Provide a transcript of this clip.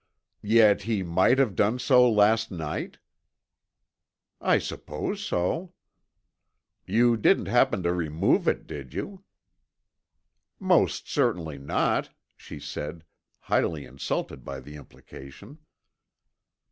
"Yet he might have done so last night?" "I suppose so." "You didn't happen to remove it, did you?" "Most certainly not," she said, highly insulted by the implication.